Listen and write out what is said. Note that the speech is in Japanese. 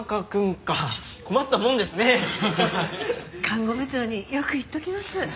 看護部長によく言っておきます。